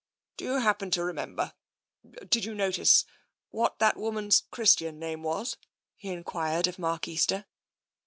" Do you happen to remember — did you notice — what that woman's Christian name was? " he enquired of Mark Easter.